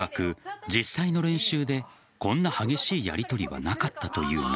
優奈さんいわく実際の練習でこんな激しいやりとりはなかったというが。